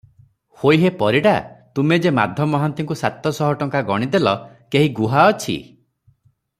ହୋଇ ହେ ପରିଡ଼ା! ତୁମେ ଯେ ମାଧ ମହାନ୍ତିଙ୍କୁ ସାତ ଶହ ଟଙ୍କା ଗଣିଦେଲ, କେହି ଗୁହା ଅଛି?